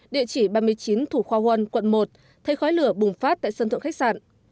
địa chỉ ba mươi chín thủ khoa huân quận một thấy khói lửa bùng phát tại sân thượng khách sạn